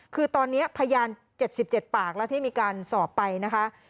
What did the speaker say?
คือตอนนี้พยาน๗๗ปากแล้วที่มีการสอบไปนะคะ